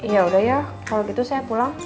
ya udah ya kalau gitu saya pulang